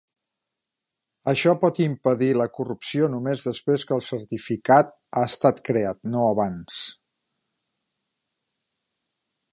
Això pot impedir la corrupció només després que el certificat ha estat creat, no abans.